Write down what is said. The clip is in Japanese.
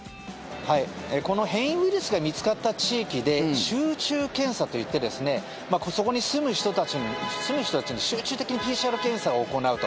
この変異ウイルスが見つかった地域で集中検査といってそこに住む人たちに集中的にＰＣＲ検査を行うと。